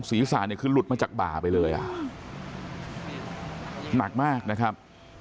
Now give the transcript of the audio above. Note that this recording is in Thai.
ศีรษะเนี่ยคือหลุดมาจากบ่าไปเลยอ่ะหนักมากนะครับ